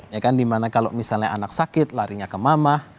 ya kan dimana kalau misalnya anak sakit larinya ke mamah